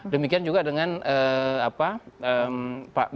demikian juga dengan bang zulhas